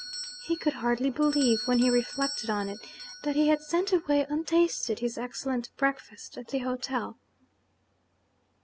He could hardly believe, when he reflected on it, that he had sent away untasted his excellent breakfast at the hotel.